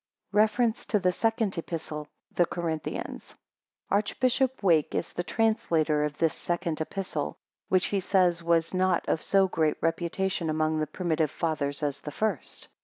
REFERENCE TO THE SECOND EPISTLE THE CORINTHIANS. [Archbishop Wake is the translator of this Second Epistle, which he says was not of so great reputation among the primitive Fathers as the first.